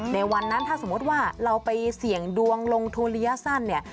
ในวันนั้นถ้าสมมุติว่าเราไปเสี่ยงดวงลงทุนระยะสั้นเนี่ย